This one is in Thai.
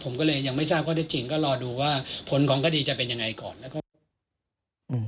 ผมก็เลยยังไม่ทราบว่าได้จริงก็รอดูว่าผลของคดีจะเป็นยังไงก่อน